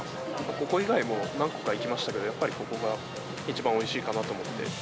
ここ以外も、何個か行きましたけれども、やっぱりここが一番おいしいかなと思って。